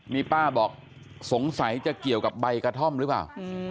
นี่ป้าบอกสงสัยจะเกี่ยวกับใบกระท่อมหรือเปล่า